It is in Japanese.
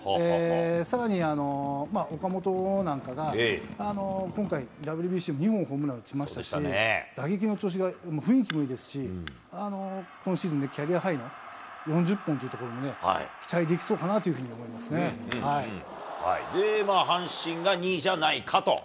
さらに、岡本なんかが、今回、ＷＢＣでも２本ホームラン打ちましたし、打撃の調子が、雰囲気もいいですし、今シーズンでキャリアハイの４０本というところも期待できそうか阪神が２位じゃないかと。